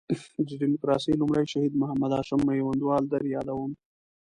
د ډیموکراسۍ لومړی شهید محمد هاشم میوندوال در یادوم.